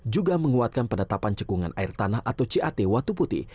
juga menguatkan penetapan cekungan air tanah atau cat watu putih